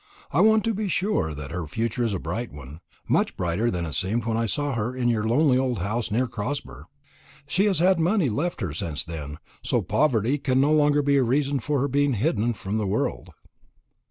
I want to be sure that her future is a bright one much brighter than it seemed when I saw her in your lonely old house near Crosber. She has had money left her since then; so poverty can no longer be a reason for her being hidden from the world."